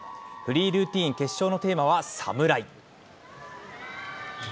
フリールーティン決勝のテーマは、侍。